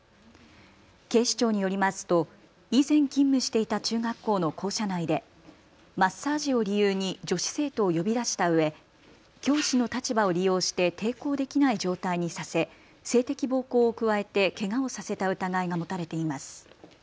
警視庁によりますと以前勤務していた中学校の校舎内でマッサージを理由に女子生徒を呼び出したうえ教師の立場を利用して抵抗できない状態にさせ性的暴行を加えてけがをさせた疑いが持たれています。